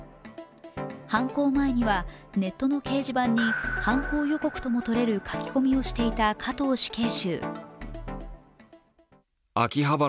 犯行前にはネットの掲示板に犯行予告ともとれる書き込みをしていた加藤死刑囚。